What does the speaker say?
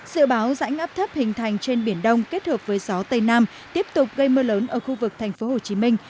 dự báo rãnh áp thấp hình thành trên biển đông kết hợp với gió tây nam tiếp tục gây mưa lớn ở khu vực thành phố hồ chí minh